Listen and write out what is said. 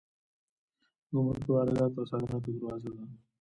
ګمرک د وارداتو او صادراتو دروازه ده